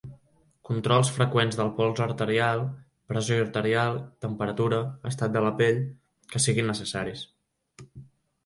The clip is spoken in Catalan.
Controls freqüents del pols arterial, pressió arterial, temperatura, estat de la pell, que siguin necessaris.